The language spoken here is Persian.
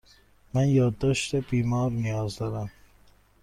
من یادداشت بیمار نیاز دارم.